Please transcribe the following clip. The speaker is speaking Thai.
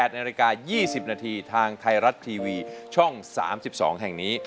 นาฬิกา๒๐นาทีทางไทยรัฐทีวีช่อง๓๒แห่งนี้